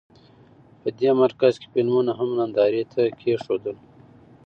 په دې مرکز کې فلمونه هم نندارې ته کېښودل.